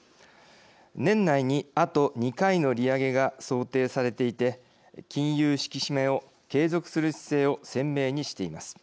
年内に、あと２回の利上げが想定されていて金融引き締めを継続する姿勢を鮮明にしています。